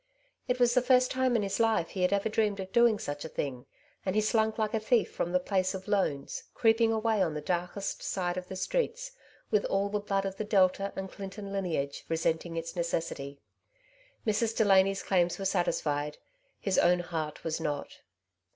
It was the first time in his lifd he had ever dreamed of doing such a thing, and he slunk like a thief from the place of loans, creeping away on the darkest sides of the streets, with all the blood of the Delta and Clinton lineage resenting its necessity. Mrs. Delany's claims were satisfied ; his own heart was not.